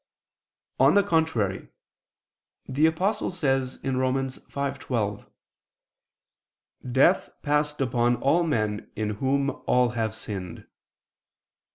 On the contrary, The Apostle says (Rom. 5:12): "Death passed upon all men in whom all have sinned."